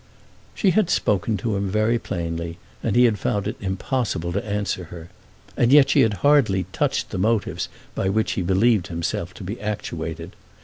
She had spoken to him very plainly, and he had found it to be impossible to answer her, and yet she had hardly touched the motives by which he believed himself to be actuated.